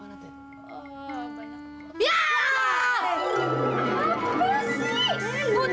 apa sih putih putih